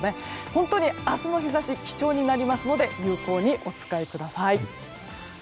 本当に明日の日差しは貴重になりますので有効にお使いください。